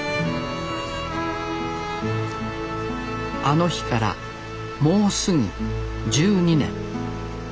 あの日からもうすぐ１２年。